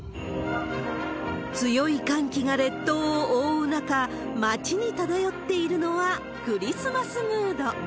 強い寒気が列島を覆う中、街に漂っているのは、クリスマスムード。